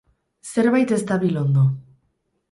Zerbait ez dabil ondo.